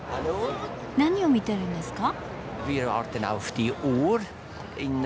何を見てるんですか？